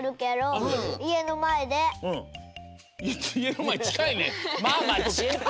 いえのまえちかいね！